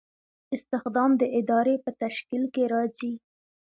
استخدام د ادارې په تشکیل کې راځي.